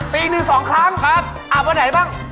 ปีนึง๒ครั้งครับอาบวันไหนบ้าง